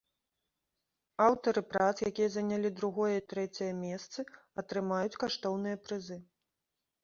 Аўтары прац, якія занялі другое і трэцяе месцы, атрымаюць каштоўныя прызы.